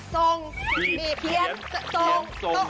ทรงบีบทรง